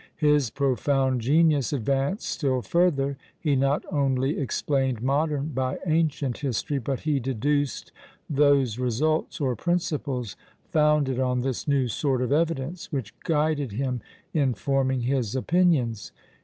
His profound genius advanced still further; he not only explained modern by ancient history, but he deduced those results or principles founded on this new sort of evidence which guided him in forming his opinions.